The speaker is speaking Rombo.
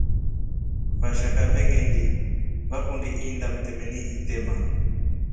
Vashaka venyengi vakundi iinda mtemi itema.